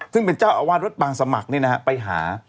ซึ่งเป็นเจ้าอาวาสวัดบางสมัครไปหา